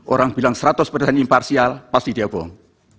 orang bilang seratus persen imparsial pasti dia bohong